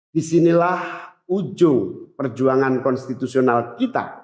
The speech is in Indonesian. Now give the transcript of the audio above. disinilah ujung perjuangan konstitusional kita